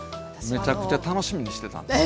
めちゃくちゃ楽しみにしてたんですよ。